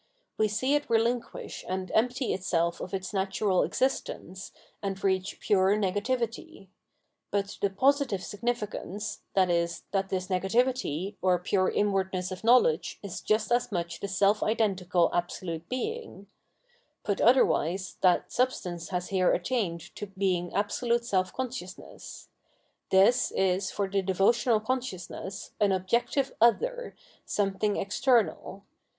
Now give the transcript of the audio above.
We see it relinquish and empty itself of its natural existence, and reach pture negativity. But the positive significance — ^viz. that this negativity, or pure inwardness of knowledge is just as much the self identical Absolute Being : put otherwise, that Substance has here attained to being absolute self consciousness — ^this is, for the devotional con sciousness, an objective other, something external.